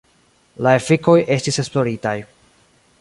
La efikoj estis esploritaj.